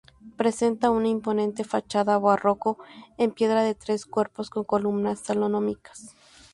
Presenta una imponente fachada barroca en piedra de tres cuerpos con columnas salomónicas.